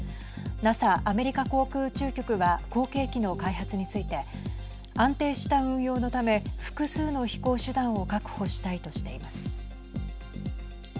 ＮＡＳＡ＝アメリカ航空宇宙局は後継機の開発について安定した運用のため複数の飛行手段を確保したいとしています。